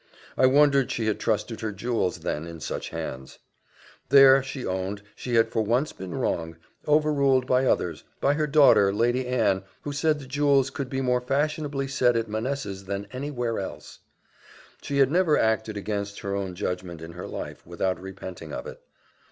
I wondered she had trusted her jewels, then, in such hands. There, she owned, she had for once been wrong overruled by others by her daughter, Lady Anne, who said the jewels could be more fashionably set at Manessa's than any where else. She had never acted against her own judgment in her life, without repenting of it.